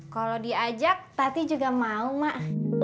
kalau diajak tati juga mau mak